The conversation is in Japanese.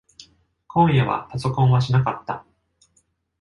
今夜はパソコンはしなかった。